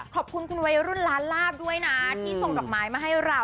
ขอบคุณคุณวัยรุ่นล้านลาบด้วยนะที่ส่งดอกไม้มาให้เรา